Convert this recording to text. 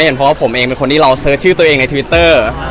เห็นเพราะว่าผมเองเป็นคนที่เราเสิร์ชชื่อตัวเองในทวิตเตอร์